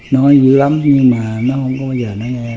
nó dữ lắm nhưng mà nó không có bao giờ nó nghe